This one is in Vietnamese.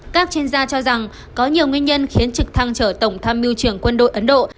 các chuyên gia cho rằng có nhiều nguyên nhân khiến trực thăng chở tổng tham mưu trưởng quân đội ấn độ